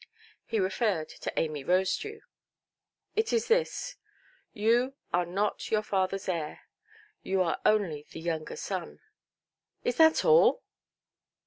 He referred to Amy Rosedew. "It is this. You are not your fatherʼs heir; you are only the younger son". "Is that all"?